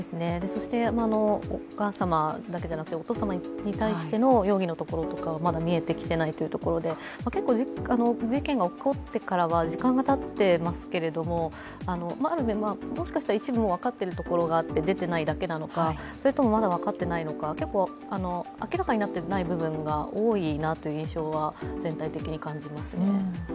お母様だけじゃなくて父様に対しての容疑もまだ見えてきていないというところで、事件が起こってから時間がたっていますけれどももしかしたら一部、分かっているところもあって出ていないだけなのか、それともまだ分かっていないのか、結構、明らかになっていない部分が多いなという印象を感じます。